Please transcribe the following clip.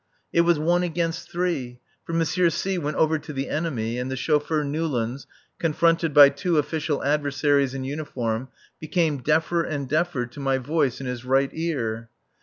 It was one against three. For M. C went over to the enemy, and the chauffeur Newlands, confronted by two official adversaries in uniform, became deafer and deafer to my voice in his right ear.